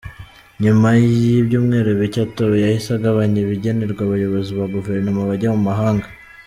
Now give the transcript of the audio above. Nyuma y’ibyumweru bike atowe yahise agabanya ibigenerwa abayobozi ba guverinoma bajya mu mahanga.